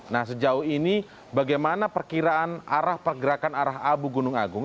nah sejauh ini bagaimana perkiraan arah pergerakan arah abu gunung agung